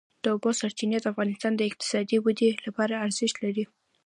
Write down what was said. د اوبو سرچینې د افغانستان د اقتصادي ودې لپاره ارزښت لري.